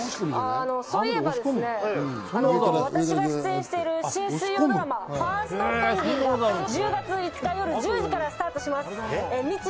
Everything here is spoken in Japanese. そういえば、私が出演してる新水曜ドラマ『ファーストペンギン！』が１０月５日、夜１０時スタートします。